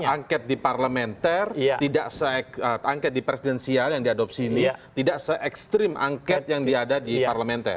angket di parlementer angket di presidensial yang diadopsi ini tidak se ekstrim angket yang diada di parlementer